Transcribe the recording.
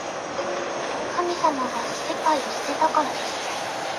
后来他生下了女儿